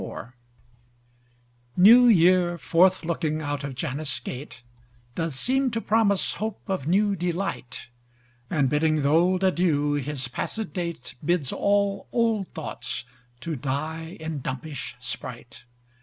IV New year forth looking out of Janus' gate, Doth seem to promise hope of new delight: And bidding th' old Adieu, his passed date Bids all old thoughts to die in dumpish sprite.